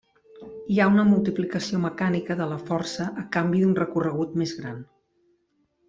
Hi ha una multiplicació mecànica de la força a canvi d'un recorregut més gran.